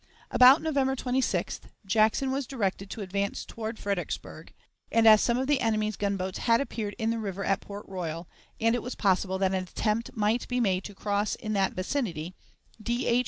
About November 26th Jackson was directed to advance toward Fredericksburg, and, as some of the enemy's gunboats had appeared in the river at Port Royal, and it was possible that an attempt might be made to cross in that vicinity, D. H.